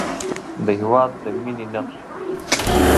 د هېواد د مینې نښې